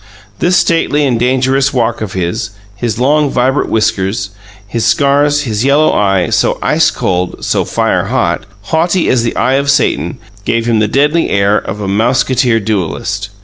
This stately and dangerous walk of his, his long, vibrant whiskers, his scars, his yellow eye, so ice cold, so fire hot, haughty as the eye of Satan, gave him the deadly air of a mousquetaire duellist.